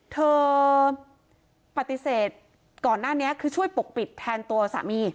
เธอปฏิเสธก่อนหน้านี้คือช่วยปกปิดแทนตัวสามี